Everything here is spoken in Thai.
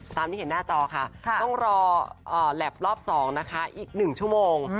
ตามที่เห็นหน้าจอค่ะต้องรอแหลบรอบสองนะคะอีกหนึ่งชั่วโมง